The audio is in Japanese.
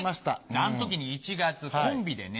あの時に１月コンビでね